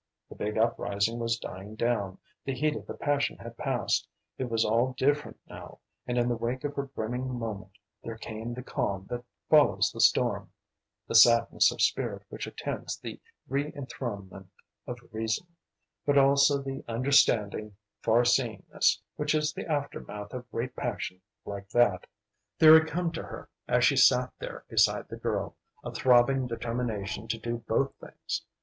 The big uprising was dying down; the heat of the passion had passed; it was all different now, and in the wake of her brimming moment there came the calm that follows storm, the sadness of spirit which attends the re enthronement of reason, but also the understanding, far seeingness, which is the aftermath of great passion like that. There had come to her, as she sat there beside the girl, a throbbing determination to do both things.